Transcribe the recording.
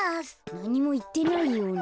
なにもいってないような。